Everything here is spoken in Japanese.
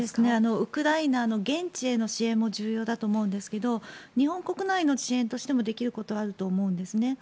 ウクライナへの現地への支援も大事だと思うんですが日本国内の支援としてもできることはあると思うんですね。